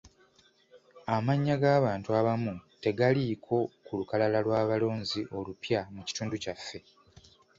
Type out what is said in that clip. Amannya g'abantu abamu tegaaliko ku lukalala lw'abalonzi olupya mu kitundu kyaffe.